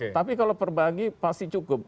tapi kalau perbagi pasti cukup